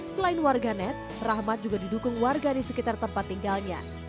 selain warganet rahmat juga didukung warga di sekitar tempat tinggalnya